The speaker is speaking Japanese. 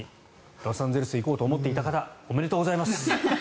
ロサンゼルスに行こうと思っていた方おめでとうございます。